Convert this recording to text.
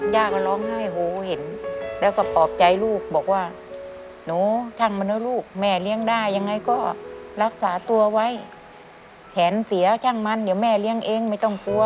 ย่าก็ร้องไห้โหเห็นแล้วก็ปลอบใจลูกบอกว่าหนูช่างมันนะลูกแม่เลี้ยงได้ยังไงก็รักษาตัวไว้แขนเสียช่างมันเดี๋ยวแม่เลี้ยงเองไม่ต้องกลัว